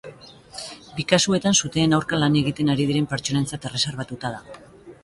Bi kasuetan suteen aurka lan egiten ari diren pertsonentzat erreserbatuta dago.